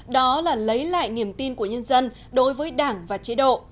đó là lấy lại niềm tin của nhân dân đối với đảng và chế độ